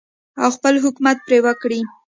او خپل حکومت پرې وکړي.